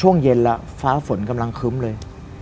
ช่วงเย็นแล้วฟ้าฝนกำลังคึ้มเลย